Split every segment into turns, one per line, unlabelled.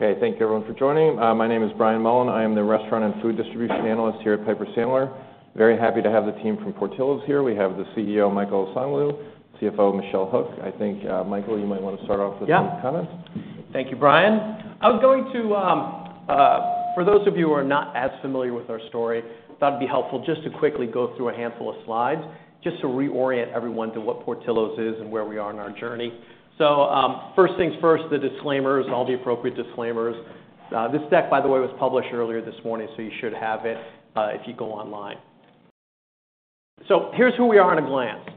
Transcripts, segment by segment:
Okay, thank you everyone for joining. My name is Brian Mullan. I am the restaurant and food distribution analyst here at Piper Sandler. Very happy to have the team from Portillo's here. We have the CEO, Michael Osanloo, CFO, Michelle Hook. I think, Michael, you might want to start off with some comments.
Yeah. Thank you, Brian. I was going to for those of you who are not as familiar with our story, I thought it'd be helpful just to quickly go through a handful of slides, just to reorient everyone to what Portillo's is and where we are in our journey. So, first things first, the disclaimers, all the appropriate disclaimers. This deck, by the way, was published earlier this morning, so you should have it if you go online. So here's who we are at a glance.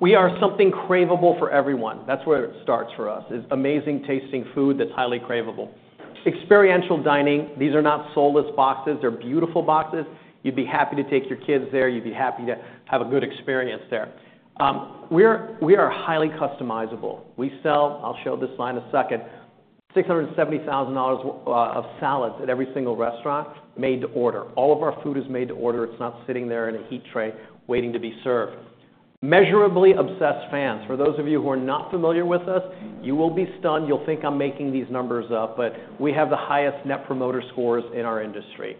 We are something craveable for everyone. That's where it starts for us, is amazing-tasting food that's highly craveable. Experiential dining. These are not soulless boxes. They're beautiful boxes. You'd be happy to take your kids there. You'd be happy to have a good experience there. We are highly customizable. We sell, I'll show this slide in a second, $670,000 of salads at every single restaurant, made to order. All of our food is made to order. It's not sitting there in a heat tray waiting to be served. Measurably obsessed fans. For those of you who are not familiar with us, you will be stunned. You'll think I'm making these numbers up, but we have the highest Net Promoter Scores in our industry.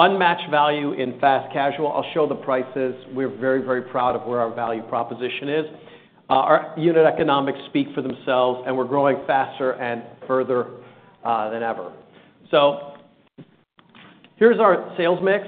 Unmatched value in fast casual. I'll show the prices. We're very, very proud of where our value proposition is. Our unit economics speak for themselves, and we're growing faster and further than ever. So here's our sales mix.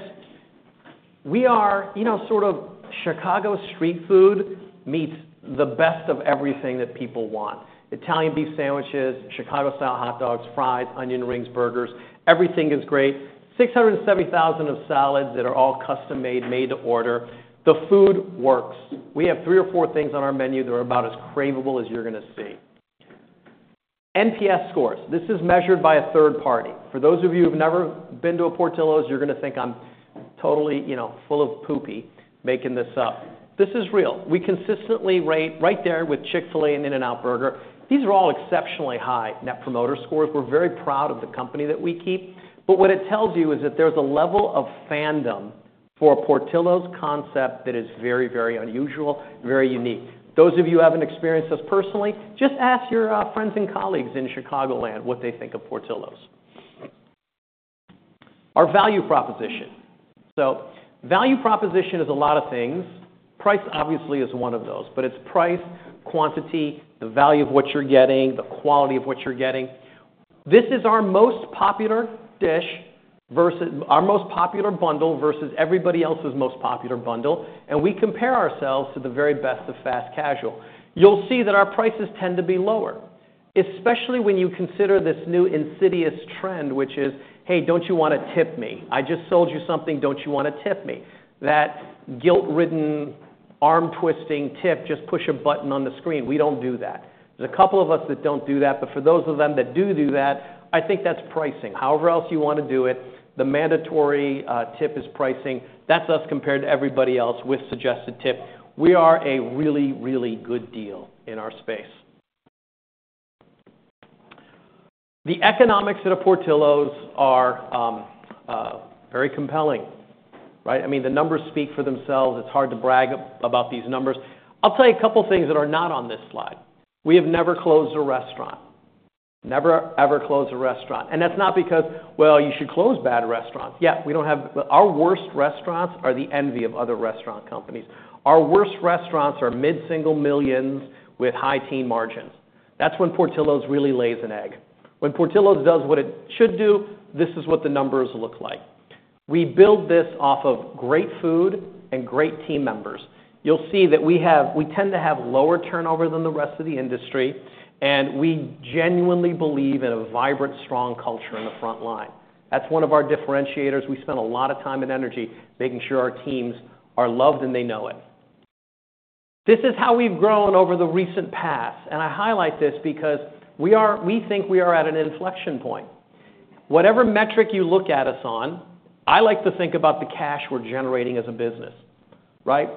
We are, you know, sort of Chicago street food, meets the best of everything that people want. Italian beef sandwiches, Chicago-style hot dogs, fries, onion rings, burgers, everything is great. 670,000 of salads that are all custom-made, made to order. The food works. We have three or four things on our menu that are about as craveable as you're going to see. NPS scores. This is measured by a third party. For those of you who've never been to a Portillo's, you're going to think I'm totally, you know, full of poopy making this up. This is real. We consistently rate right there with Chick-fil-A and In-N-Out Burger. These are all exceptionally high net promoter scores. We're very proud of the company that we keep, but what it tells you is that there's a level of fandom for a Portillo's concept that is very, very unusual, very unique. Those of you who haven't experienced this personally, just ask your friends and colleagues in Chicagoland what they think of Portillo's. Our value proposition. So value proposition is a lot of things. Price, obviously, is one of those, but it's price, quantity, the value of what you're getting, the quality of what you're getting. This is our most popular dish versus our most popular bundle versus everybody else's most popular bundle, and we compare ourselves to the very best of fast casual. You'll see that our prices tend to be lower, especially when you consider this new insidious trend, which is, "Hey, don't you want to tip me? I just sold you something, don't you want to tip me?" That guilt-ridden, arm-twisting tip, just push a button on the screen. We don't do that. There's a couple of us that don't do that, but for those of them that do do that, I think that's pricing. However else you want to do it, the mandatory tip is pricing. That's us compared to everybody else with suggested tip. We are a really, really good deal in our space. The economics at a Portillo's are very compelling, right? I mean, the numbers speak for themselves. It's hard to brag about these numbers. I'll tell you a couple of things that are not on this slide. We have never closed a restaurant. Never, ever closed a restaurant. And that's not because, well, you should close bad restaurants. Yeah, we don't have. Our worst restaurants are the envy of other restaurant companies. Our worst restaurants are mid-single millions with high-teen margins. That's when Portillo's really lays an egg. When Portillo's does what it should do, this is what the numbers look like. We build this off of great food and great team members. You'll see that we have- we tend to have lower turnover than the rest of the industry, and we genuinely believe in a vibrant, strong culture in the front line. That's one of our differentiators. We spend a lot of time and energy making sure our teams are loved, and they know it. This is how we've grown over the recent past, and I highlight this because we are- we think we are at an inflection point. Whatever metric you look at us on, I like to think about the cash we're generating as a business, right?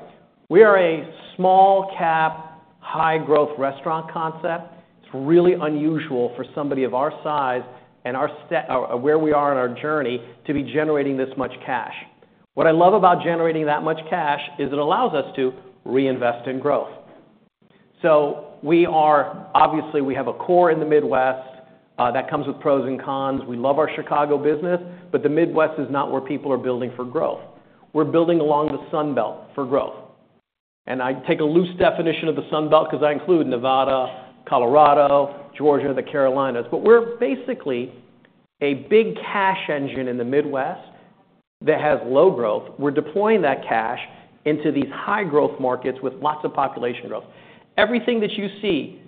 We are a small-cap, high-growth restaurant concept. It's really unusual for somebody of our size and our stage where we are in our journey, to be generating this much cash. What I love about generating that much cash is it allows us to reinvest in growth. So we are obviously we have a core in the Midwest that comes with pros and cons. We love our Chicago business, but the Midwest is not where people are building for growth. We're building along the Sun Belt for growth, and I take a loose definition of the Sun Belt because I include Nevada, Colorado, Georgia, and the Carolinas. But we're basically a big cash engine in the Midwest that has low growth. We're deploying that cash into these high-growth markets with lots of population growth. Everything that you see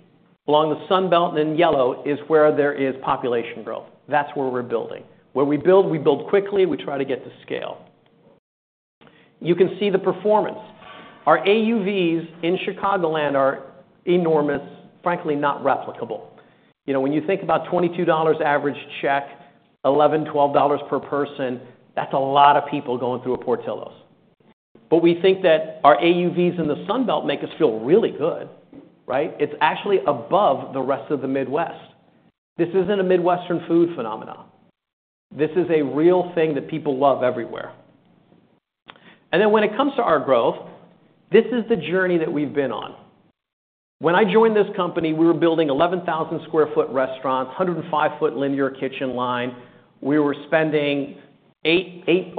along the Sun Belt in yellow is where there is population growth. That's where we're building. Where we build, we build quickly. We try to get to scale. You can see the performance. Our AUVs in Chicagoland are enormous, frankly, not replicable. You know, when you think about $22 average check, $11-$12 per person, that's a lot of people going through a Portillo's. But we think that our AUVs in the Sun Belt make us feel really good, right? It's actually above the rest of the Midwest. This isn't a Midwestern food phenomenon. This is a real thing that people love everywhere. And then when it comes to our growth, this is the journey that we've been on. When I joined this company, we were building 11,000 sq ft restaurants, 105-foot linear kitchen line. We were spending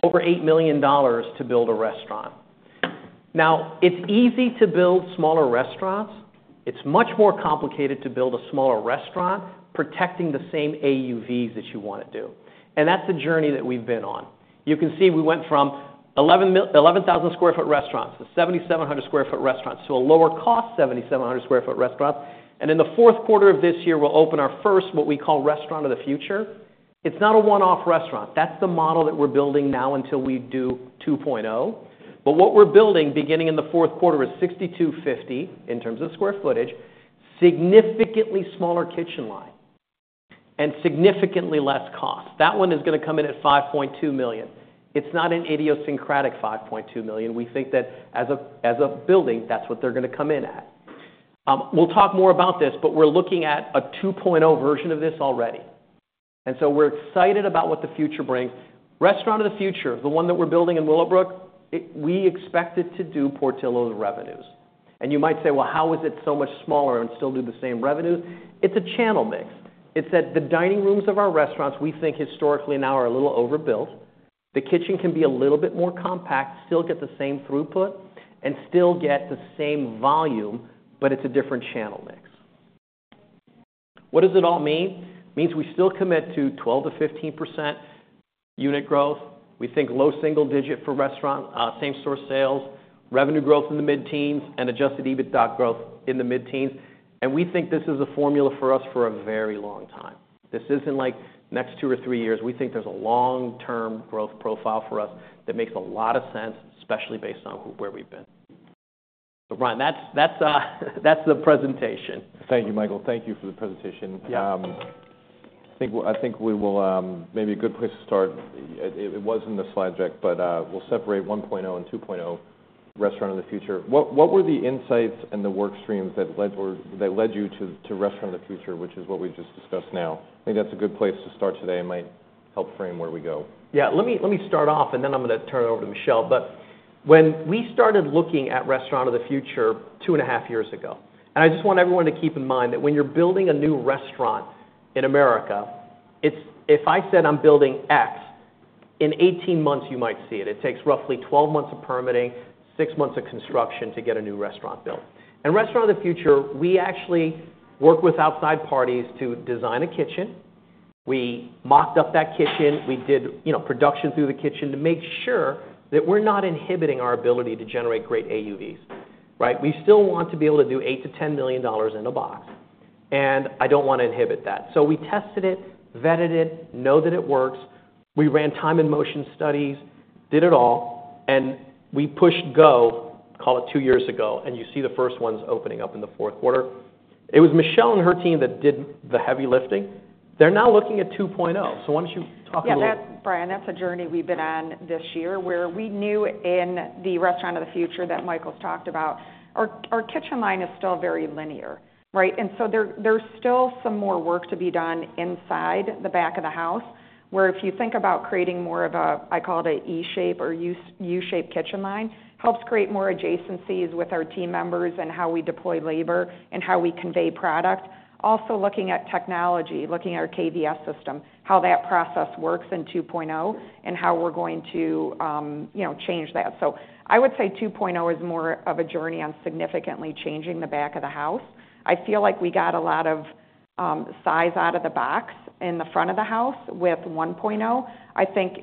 over $8 million to build a restaurant. Now, it's easy to build smaller restaurants. It's much more complicated to build a smaller restaurant, protecting the same AUVs that you want to do, and that's the journey that we've been on. You can see we went from 11,000 sq ft restaurants to 7,700 sq ft restaurants, to a lower cost, 7,700 sq ft restaurant. And in the fourth quarter of this year, we'll open our first, what we call Restaurant of the Future. It's not a one-off restaurant. That's the model that we're building now until we do 2.0. But what we're building, beginning in the fourth quarter, is 6,250 sq ft, in terms of square footage, significantly smaller kitchen line and significantly less cost. That one is gonna come in at $5.2 million. It's not an idiosyncratic $5.2 million. We think that as a building, that's what they're gonna come in at. We'll talk more about this, but we're looking at a 2.0 version of this already, and so we're excited about what the future brings. Restaurant of the Future, the one that we're building in Willowbrook, we expect it to do Portillo's revenues, and you might say, "Well, how is it so much smaller and still do the same revenue?" It's a channel mix. It's that the dining rooms of our restaurants, we think, historically, now, are a little overbuilt. The kitchen can be a little bit more compact, still get the same throughput, and still get the same volume, but it's a different channel mix. What does it all mean? It means we still commit to 12%-15% unit growth. We think low single digit for restaurant same store sales, revenue growth in the mid-teens, and Adjusted EBITDA growth in the mid-teens. And we think this is a formula for us for a very long time. This isn't, like, next two or three years. We think there's a long-term growth profile for us that makes a lot of sense, especially based on where we've been. So Brian, that's the presentation.
Thank you, Michael. Thank you for the presentation.
Yeah.
I think we will. Maybe a good place to start, it was in the slide deck, but, we'll separate 1.0 and 2.0 Restaurant of the Future. What were the insights and the work streams that led you to Restaurant of the Future, which is what we just discussed now? I think that's a good place to start today. It might help frame where we go.
Yeah, let me, let me start off, and then I'm gonna turn it over to Michelle, but when we started looking at Restaurant of the Future two and a half years ago, and I just want everyone to keep in mind that when you're building a new restaurant in America, it's, if I said, "I'm building X," in 18 months, you might see it. It takes roughly 12 months of permitting, 6 months of construction to get a new restaurant built. In Restaurant of the Future, we actually worked with outside parties to design a kitchen. We mocked up that kitchen. We did, you know, production through the kitchen to make sure that we're not inhibiting our ability to generate great AUVs, right? We still want to be able to do $8 million-$10 million in a box, and I don't want to inhibit that. So we tested it, vetted it, know that it works. We ran time and motion studies, did it all, and we pushed go, call it two years ago, and you see the first ones opening up in the fourth quarter. It was Michelle and her team that did the heavy lifting. They're now looking at 2.0, so why don't you talk a little-
Yeah, that's Brian, that's a journey we've been on this year, where we knew in the Restaurant of the Future that Michael's talked about, our kitchen line is still very linear, right? And so there's still some more work to be done inside the back of the house, where if you think about creating more of a, I call it, a E-shape or U-shaped kitchen line, helps create more adjacencies with our team members and how we deploy labor and how we convey product. Also, looking at technology, looking at our KVS system, how that process works in 2.0, and how we're going to, you know, change that. So I would say 2.0 is more of a journey on significantly changing the back of the house. I feel like we got a lot of size out of the box in the front of the house with 1.0. I think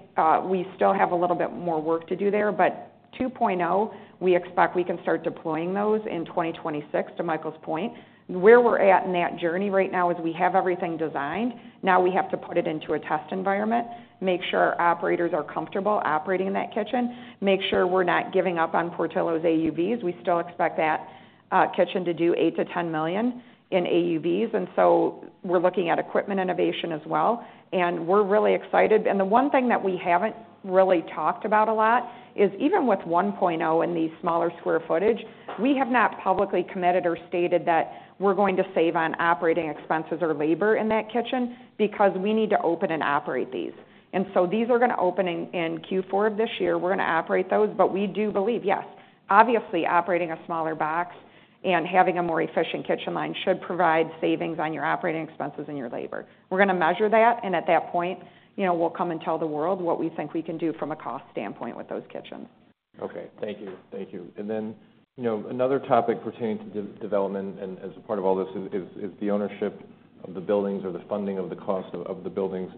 we still have a little bit more work to do there, but 2.0, we expect we can start deploying those in 2026, to Michael's point. Where we're at in that journey right now is, we have everything designed. Now we have to put it into a test environment, make sure our operators are comfortable operating in that kitchen, make sure we're not giving up on Portillo's AUVs. We still expect that kitchen to do $8-$10 million in AUVs, and so we're looking at equipment innovation as well, and we're really excited. The one thing that we haven't really talked about a lot is, even with 1.0 in the smaller square footage, we have not publicly committed or stated that we're going to save on operating expenses or labor in that kitchen, because we need to open and operate these. These are gonna open in Q4 of this year. We're gonna operate those, but we do believe, yes, obviously, operating a smaller box and having a more efficient kitchen line should provide savings on your operating expenses and your labor. We're gonna measure that, and at that point, you know, we'll come and tell the world what we think we can do from a cost standpoint with those kitchens.
Okay. Thank you. Thank you. And then, you know, another topic pertaining to development and, as a part of all this, is the ownership of the buildings or the funding of the cost of the buildings.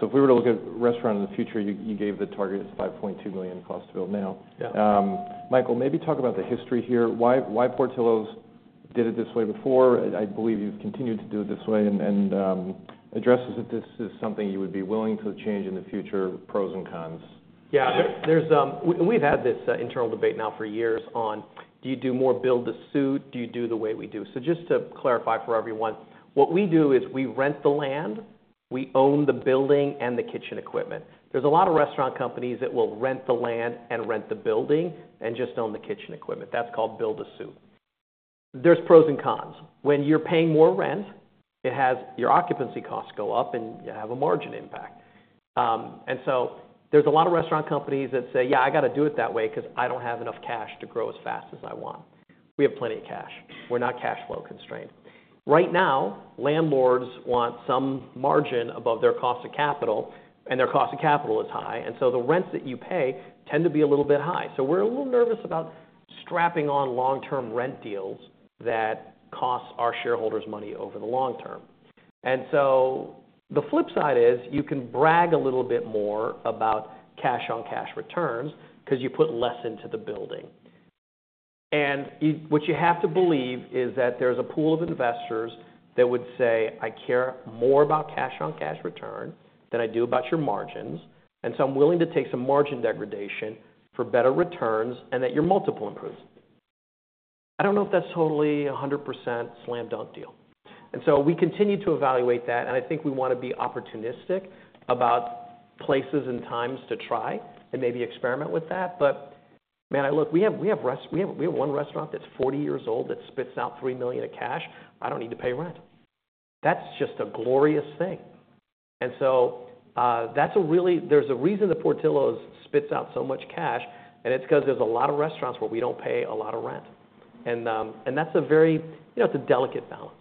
So if we were to look at Restaurant of the Future, you gave the target as $5.2 million cost to build now.
Yeah.
Michael, maybe talk about the history here. Why Portillo's did it this way before? I believe you've continued to do it this way and address if this is something you would be willing to change in the future, pros and cons.
Yeah, there's... We've had this internal debate now for years on, do you do more build-to-suit? Do you do the way we do? So just to clarify for everyone, what we do is we rent the land, we own the building and the kitchen equipment. There's a lot of restaurant companies that will rent the land and rent the building and just own the kitchen equipment. That's called build-to-suit... There's pros and cons. When you're paying more rent, it has your occupancy costs go up, and you have a margin impact. And so there's a lot of restaurant companies that say, "Yeah, I got to do it that way because I don't have enough cash to grow as fast as I want." We have plenty of cash. We're not cash flow constrained. Right now, landlords want some margin above their cost of capital, and their cost of capital is high, and so the rents that you pay tend to be a little bit high. So we're a little nervous about strapping on long-term rent deals that cost our shareholders money over the long term. And so the flip side is, you can brag a little bit more about cash-on-cash returns because you put less into the building. And what you have to believe is that there's a pool of investors that would say, "I care more about cash-on-cash return than I do about your margins, and so I'm willing to take some margin degradation for better returns and that your multiple improves." I don't know if that's totally 100% slam dunk deal. And so we continue to evaluate that, and I think we want to be opportunistic about places and times to try and maybe experiment with that. But, man, look, we have one restaurant that's forty years old that spits out $3 million of cash. I don't need to pay rent. That's just a glorious thing. And so, that's a really. There's a reason that Portillo's spits out so much cash, and it's because there's a lot of restaurants where we don't pay a lot of rent. And that's a very, you know, it's a delicate balance.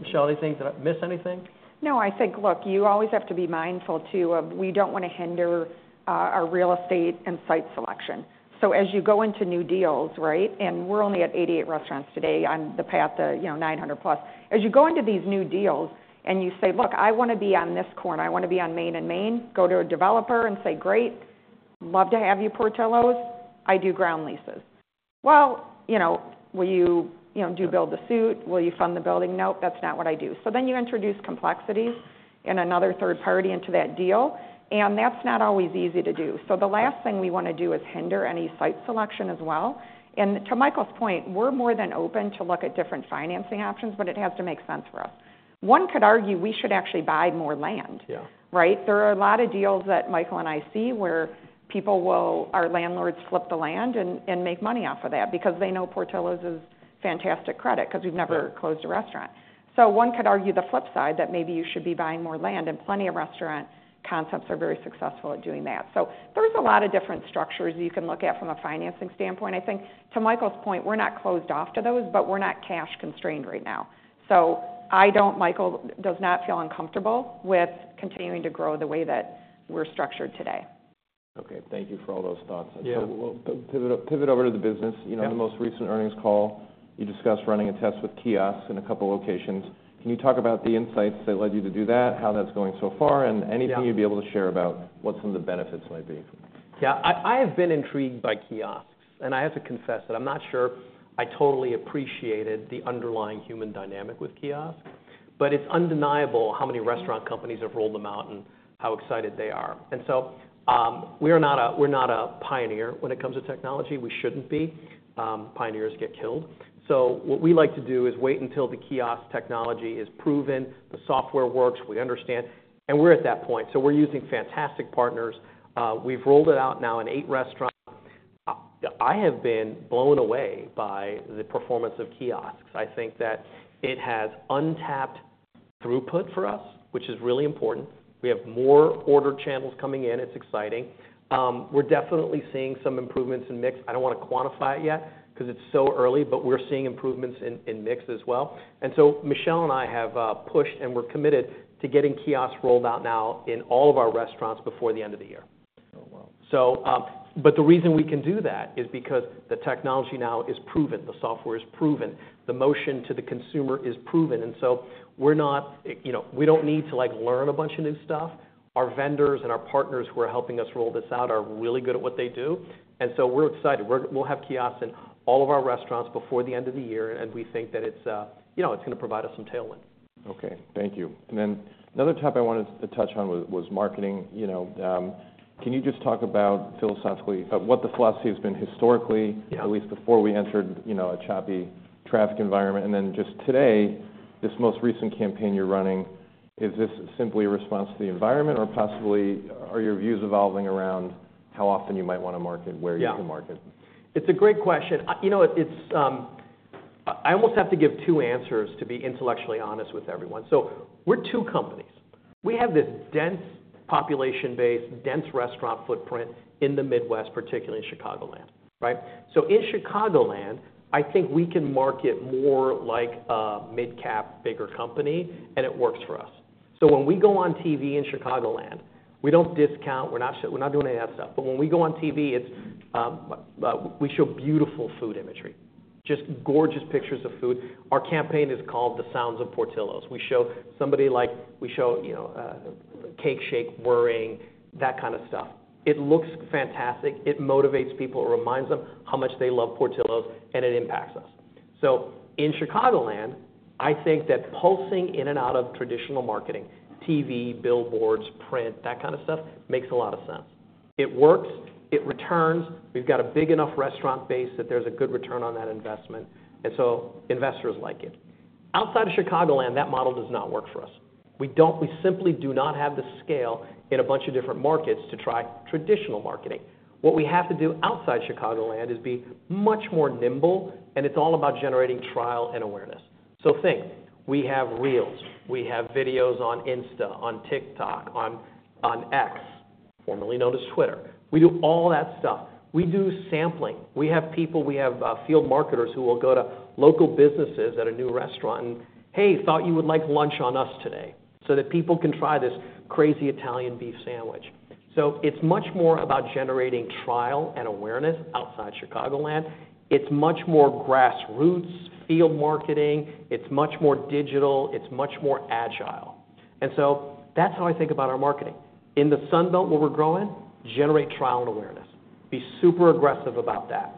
Michelle, anything? Did I miss anything?
No, I think, look, you always have to be mindful, too, of we don't want to hinder our real estate and site selection. So as you go into new deals, right, and we're only at 88 restaurants today on the path to, you know, 900+. As you go into these new deals and you say, "Look, I want to be on this corner. I want to be on Main and Main," go to a developer and say, "Great, love to have you, Portillo's. I do ground leases." "Well, you know, will you... You know, do you build-to-suit? Will you fund the building?" "Nope, that's not what I do." So then you introduce complexities and another third party into that deal, and that's not always easy to do. So the last thing we want to do is hinder any site selection as well. And to Michael's point, we're more than open to look at different financing options, but it has to make sense for us. One could argue we should actually buy more land.
Yeah.
Right? There are a lot of deals that Michael and I see where people will, our landlords, flip the land and make money off of that because they know Portillo's is fantastic credit, because we've never-
Yeah...
closed a restaurant. So one could argue the flip side, that maybe you should be buying more land, and plenty of restaurant concepts are very successful at doing that. So there's a lot of different structures you can look at from a financing standpoint. I think, to Michael's point, we're not closed off to those, but we're not cash constrained right now. So I don't-- Michael does not feel uncomfortable with continuing to grow the way that we're structured today.
Okay, thank you for all those thoughts.
Yeah.
We'll pivot over to the business.
Yeah.
You know, in the most recent earnings call, you discussed running a test with kiosks in a couple locations. Can you talk about the insights that led you to do that, how that's going so far, and?
Yeah...
anything you'd be able to share about what some of the benefits might be?
Yeah, I have been intrigued by kiosks, and I have to confess that I'm not sure I totally appreciated the underlying human dynamic with kiosks. But it's undeniable how many restaurant companies have rolled them out and how excited they are. And so, we are not a pioneer when it comes to technology. We shouldn't be. Pioneers get killed. So what we like to do is wait until the kiosk technology is proven, the software works, we understand, and we're at that point. So we're using fantastic partners. We've rolled it out now in eight restaurants. I have been blown away by the performance of kiosks. I think that it has untapped throughput for us, which is really important. We have more order channels coming in. It's exciting. We're definitely seeing some improvements in mix. I don't want to quantify it yet because it's so early, but we're seeing improvements in mix as well, and so Michelle and I have pushed, and we're committed to getting kiosks rolled out now in all of our restaurants before the end of the year.
Oh, wow!
So, but the reason we can do that is because the technology now is proven, the software is proven, the motion to the consumer is proven, and so we're not... You know, we don't need to, like, learn a bunch of new stuff. Our vendors and our partners who are helping us roll this out are really good at what they do, and so we're excited. We'll have kiosks in all of our restaurants before the end of the year, and we think that it's, you know, it's going to provide us some tailwind.
Okay, thank you. And then another topic I wanted to touch on was marketing. You know, can you just talk about philosophically what the philosophy has been historically-
Yeah...
at least before we entered, you know, a choppy traffic environment? And then just today, this most recent campaign you're running, is this simply a response to the environment, or possibly, are your views evolving around how often you might want to market-
Yeah
Where you can market?
It's a great question. You know, it's. I almost have to give two answers to be intellectually honest with everyone. So we're two companies. We have this dense population base, dense restaurant footprint in the Midwest, particularly in Chicagoland, right? So in Chicagoland, I think we can market more like a mid-cap, bigger company, and it works for us. So when we go on TV in Chicagoland, we don't discount, we're not doing any of that stuff. But when we go on TV, it's. We show beautiful food imagery, just gorgeous pictures of food. Our campaign is called The Sounds of Portillo's. We show somebody like, we show, you know, a Cake Shake whirring, that kind of stuff. It looks fantastic, it motivates people. It reminds them how much they love Portillo's, and it impacts us. So in Chicagoland, I think that pulsing in and out of traditional marketing, TV, billboards, print, that kind of stuff, makes a lot of sense. It works, it returns. We've got a big enough restaurant base that there's a good return on that investment, and so investors like it. Outside of Chicagoland, that model does not work for us. We don't. We simply do not have the scale in a bunch of different markets to try traditional marketing. What we have to do outside Chicagoland is be much more nimble, and it's all about generating trial and awareness. So think, we have Reels, we have videos on Insta, on TikTok, on X, formerly known as Twitter. We do all that stuff. We do sampling. We have people, we have field marketers who will go to local businesses at a new restaurant and, "Hey, thought you would like lunch on us today," so that people can try this crazy Italian beef sandwich. So it's much more about generating trial and awareness outside Chicagoland. It's much more grassroots, field marketing. It's much more digital. It's much more agile. And so that's how I think about our marketing. In the Sun Belt, where we're growing, generate trial and awareness. Be super aggressive about that.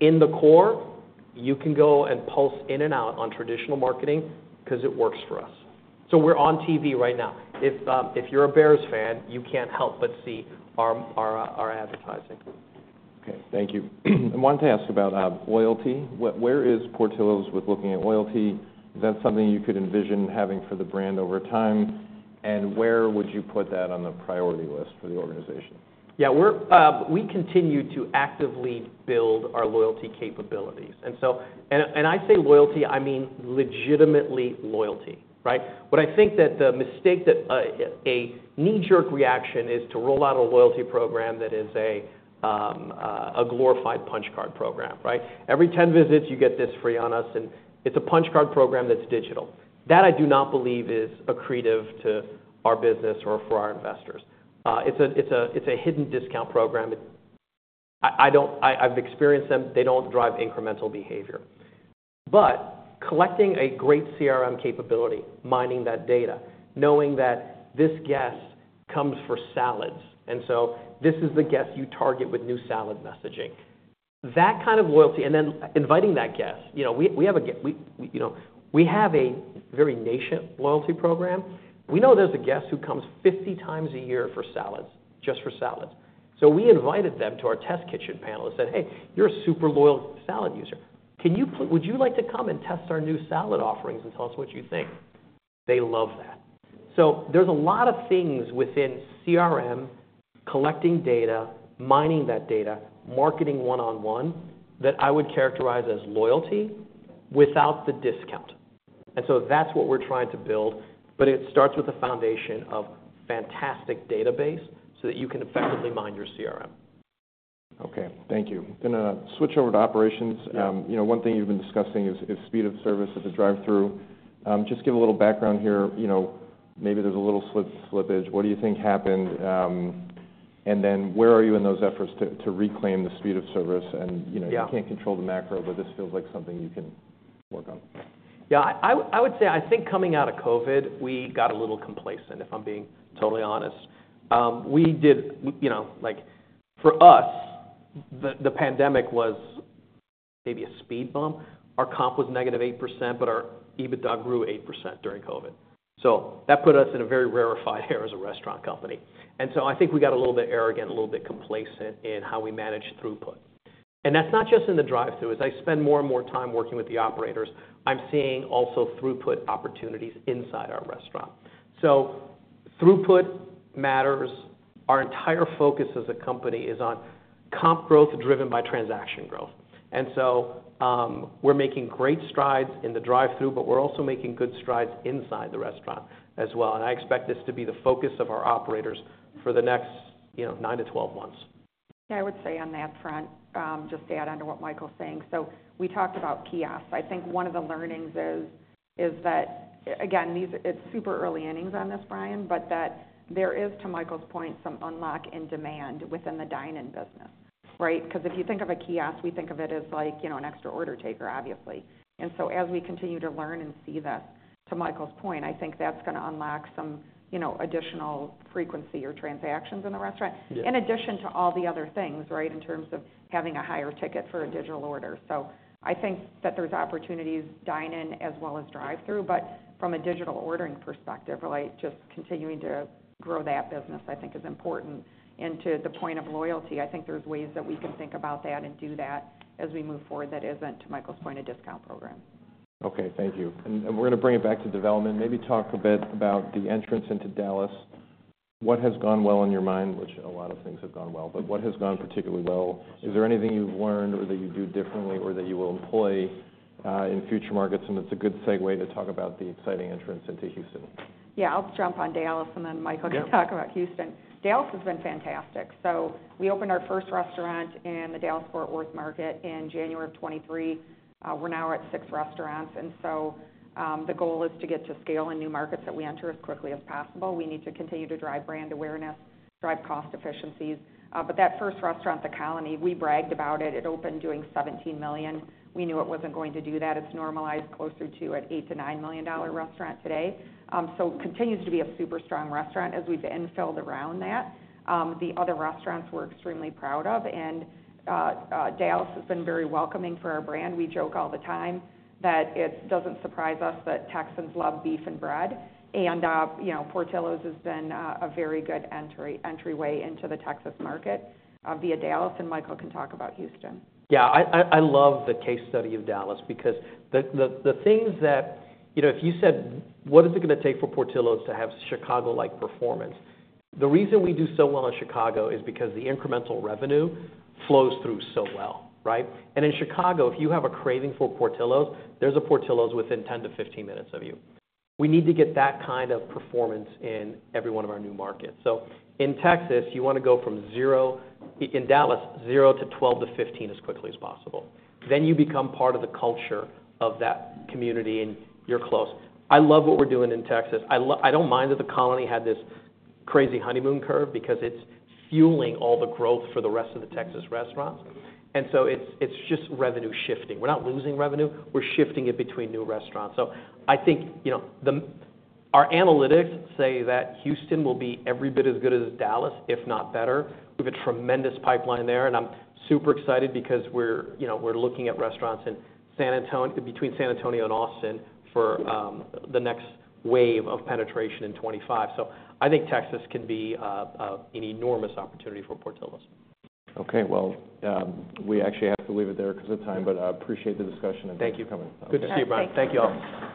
In the core, you can go and pulse in and out on traditional marketing because it works for us. So we're on TV right now. If you're a Bears fan, you can't help but see our advertising.
Okay, thank you. I wanted to ask about loyalty. Where, where is Portillo's with looking at loyalty? Is that something you could envision having for the brand over time? And where would you put that on the priority list for the organization?
Yeah, we're. We continue to actively build our loyalty capabilities. And so, I say loyalty, I mean, legitimately loyalty, right? But I think that the mistake that a knee-jerk reaction is to roll out a loyalty program that is a glorified punch card program, right? Every 10 visits, you get this free on us, and it's a punch card program that's digital. That I do not believe is accretive to our business or for our investors. It's a hidden discount program. I don't. I've experienced them. They don't drive incremental behavior. But collecting a great CRM capability, mining that data, knowing that this guest comes for salads, and so this is the guest you target with new salad messaging. That kind of loyalty, and then inviting that guest. You know, we have a very nascent loyalty program. We know there's a guest who comes 50x a year for salads, just for salads. So we invited them to our test kitchen panel and said, "Hey, you're a super loyal salad user. Would you like to come and test our new salad offerings and tell us what you think?" They love that. So there's a lot of things within CRM, collecting data, mining that data, marketing one-on-one, that I would characterize as loyalty without the discount. And so that's what we're trying to build, but it starts with a foundation of fantastic database, so that you can effectively mine your CRM.
Okay, thank you. I'm gonna switch over to operations.
Yeah.
You know, one thing you've been discussing is speed of service at the drive-thru. Just give a little background here, you know, maybe there's a little slippage. What do you think happened? And then where are you in those efforts to reclaim the speed of service? And, you know-
Yeah...
you can't control the macro, but this feels like something you can work on.
Yeah, I would say I think coming out of COVID, we got a little complacent, if I'm being totally honest. You know, like, for us, the pandemic was maybe a speed bump. Our comp was negative 8%, but our EBITDA grew 8% during COVID. So that put us in a very rarefied air as a restaurant company, and so I think we got a little bit arrogant, a little bit complacent in how we managed throughput, and that's not just in the drive-thru. As I spend more and more time working with the operators, I'm seeing also throughput opportunities inside our restaurant, so throughput matters. Our entire focus as a company is on comp growth driven by transaction growth. And so, we're making great strides in the drive-thru, but we're also making good strides inside the restaurant as well, and I expect this to be the focus of our operators for the next, you know, 9-12 months.
Yeah, I would say on that front, just to add on to what Michael's saying. So we talked about kiosks. I think one of the learnings is that, again, these-- it's super early innings on this, Brian, but that there is, to Michael's point, some unlock in demand within the dine-in business, right? Because if you think of a kiosk, we think of it as like, you know, an extra order taker, obviously. And so as we continue to learn and see this, to Michael's point, I think that's gonna unlock some, you know, additional frequency or transactions in the restaurant-
Yeah...
in addition to all the other things, right, in terms of having a higher ticket for a digital order. So I think that there's opportunities dine-in as well as drive-thru, but from a digital ordering perspective, really just continuing to grow that business, I think is important. And to the point of loyalty, I think there's ways that we can think about that and do that as we move forward, that isn't, to Michael's point, a discount program.
Okay, thank you. And we're gonna bring it back to development. Maybe talk a bit about the entrance into Dallas. What has gone well in your mind? While a lot of things have gone well, but what has gone particularly well? Is there anything you've learned or that you'd do differently, or that you will employ in future markets? And it's a good segue to talk about the exciting entrance into Houston.
Yeah, I'll jump on Dallas, and then Michael-
Yeah...
can talk about Houston. Dallas has been fantastic. So we opened our first restaurant in the Dallas-Fort Worth market in January of 2023. We're now at six restaurants, and so the goal is to get to scale in new markets that we enter as quickly as possible. We need to continue to drive brand awareness, drive cost efficiencies. But that first restaurant, The Colony, we bragged about it. It opened doing $17 million. We knew it wasn't going to do that. It's normalized closer to an $8-$9 million restaurant today. So continues to be a super strong restaurant as we've infilled around that. The other restaurants, we're extremely proud of, and Dallas has been very welcoming for our brand. We joke all the time that it doesn't surprise us that Texans love beef and bread. You know, Portillo's has been a very good entryway into the Texas market via Dallas, and Michael can talk about Houston.
Yeah, I love the case study of Dallas because the things that... You know, if you said, "What is it gonna take for Portillo's to have Chicago-like performance?" The reason we do so well in Chicago is because the incremental revenue flows through so well, right? In Chicago, if you have a craving for Portillo's, there's a Portillo's within 10-15 minutes of you. We need to get that kind of performance in every one of our new markets. In Texas, you wanna go from zero - in Dallas, zero to 12 to 15 as quickly as possible. You become part of the culture of that community, and you're close. I love what we're doing in Texas. I don't mind that The Colony had this crazy honeymoon curve because it's fueling all the growth for the rest of the Texas restaurants, and so it's just revenue shifting. We're not losing revenue. We're shifting it between new restaurants. So I think, you know, Our analytics say that Houston will be every bit as good as Dallas, if not better. We've a tremendous pipeline there, and I'm super excited because we're, you know, we're looking at restaurants in San Antonio between San Antonio and Austin for the next wave of penetration in 2025. So I think Texas can be an enormous opportunity for Portillo's.
Okay, well, we actually have to leave it there because of time, but appreciate the discussion.
Thank you.
Thank you for coming.
Good to see you, Brian.
Thanks.
Thank you, all.